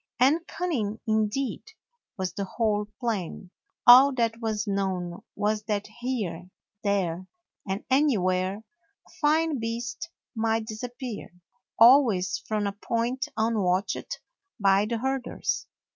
And cunning indeed was the whole plan. All that was known was that here, there, and anywhere a fine beast might disappear, always from a point unwatched by the herders.